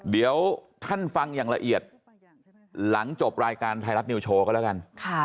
เดี๋ยวท่านฟังอย่างละเอียดหลังจบรายการไทยรัฐนิวโชว์ก็แล้วกัน